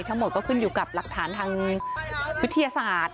ทั้งหมดก็ขึ้นอยู่กับหลักฐานทางวิทยาศาสตร์